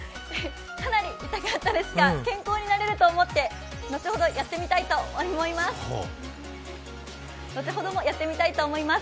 かなり痛かったですが、健康になれると思って後ほどもやってみたいと思います。